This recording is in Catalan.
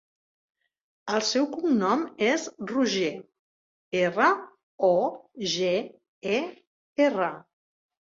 El seu cognom és Roger: erra, o, ge, e, erra.